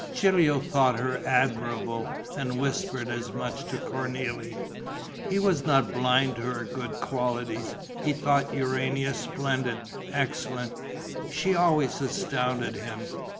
Gilio thought her admirabile and whispered as much to Cornélie. He was not blind to her good qualities. He thought Urania splendid, excellent; she always astounded him.